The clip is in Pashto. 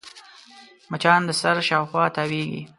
مچان د سر شاوخوا تاوېږي